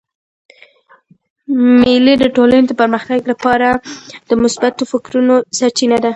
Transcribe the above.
مېلې د ټولني د پرمختګ له پاره د مثبتو فکرو سرچینه ده.